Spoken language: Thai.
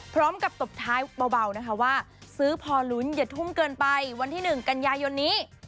ตบท้ายเบานะคะว่าซื้อพอลุ้นอย่าทุ่มเกินไปวันที่๑กันยายนนี้